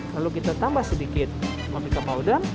lalu kita tambah sedikit maplika powder